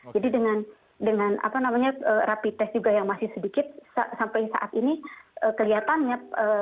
jadi dengan rapid test juga yang masih sedikit sampai saat ini kelihatannya